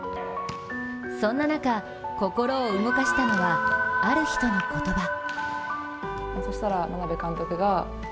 そんな中、心を動かしたのはある人の言葉。